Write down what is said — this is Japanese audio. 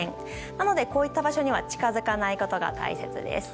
なので、こういった場所には近づかないことが大切です。